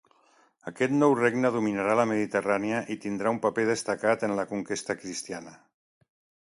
Aquest nou regne dominarà la Mediterrània i tindrà un paper destacat en la conquesta cristiana.